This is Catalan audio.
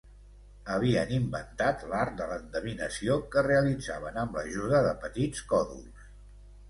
Havien inventat l'art de l'endevinació, que realitzaven amb l'ajuda de petits còdols.